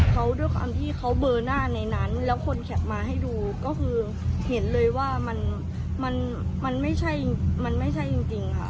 เขาด้วยความที่เขาเบอร์หน้าในนั้นแล้วคนแคปมาให้ดูก็คือเห็นเลยว่ามันมันไม่ใช่มันไม่ใช่จริงค่ะ